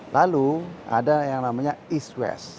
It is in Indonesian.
lalu ada yang namanya east west